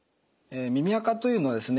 耳あかというのはですね